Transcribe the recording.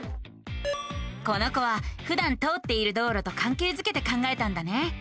この子はふだん通っている道路とかんけいづけて考えたんだね。